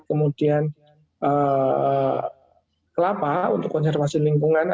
kemudian kelapa untuk konservasi lingkungan